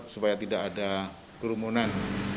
supaya tidak ada kerumunan